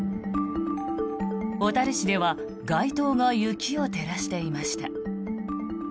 小樽市では街灯が雪を照らしていました。